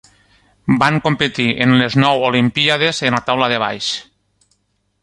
Van competir en les nou Olimpíades en la taula de baix.